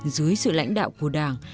dưới sự lãnh đạo của đảng